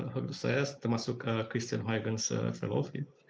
waktu saya termasuk christian huygens fellow